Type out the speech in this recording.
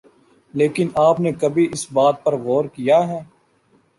لیکن آپ نے کبھی اس بات پر غور کیا ہے